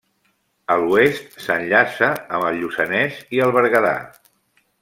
A l'oest, s'enllaça amb el Lluçanès i el Berguedà.